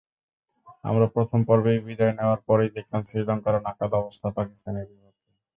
আমরা প্রথম পর্বেই বিদায় নেওয়ার পরই দেখলাম শ্রীলঙ্কারও নাকাল অবস্থা পাকিস্তানের বিপক্ষে।